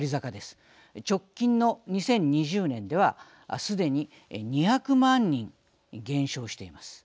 直近の２０２０年ではすでに２００万人減少しています。